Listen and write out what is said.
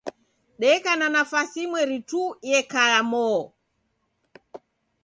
Deka na nafasi imweri tu yekaya moo.